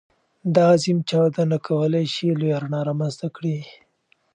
دا عظيم چاودنه کولی شي لویه رڼا رامنځته کړي.